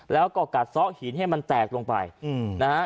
แล้วก็กัดซ่อหินให้มันแตกลงไปนะฮะ